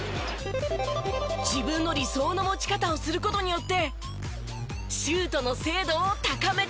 自分の理想の持ち方をする事によってシュートの精度を高めているのです。